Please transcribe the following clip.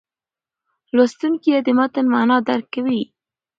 لوستونکی د متن معنا درک کوي.